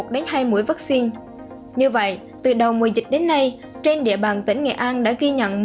một đến hai mũi vắc xin như vậy từ đầu mùa dịch đến nay trên địa bàn tỉnh nghệ an đã ghi nhận